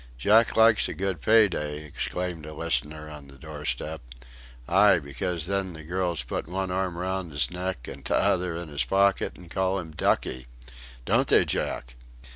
"Jack likes a good pay day," exclaimed a listener on the doorstep. "Aye, because then the girls put one arm round his neck an' t'other in his pocket, and call him ducky. Don't they, Jack?"